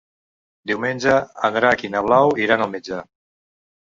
Diumenge en Drac i na Blau iran al metge.